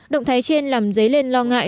động thái trên làm dấy lên lo ngại